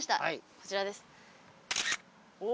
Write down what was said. こちらです。